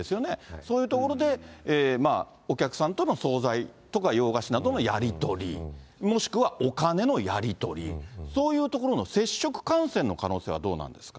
そういう所でお客さんとの総菜とか洋菓子などのやり取り、もしくはお金のやり取り、そういう所の接触感染の可能性はどうなんですか。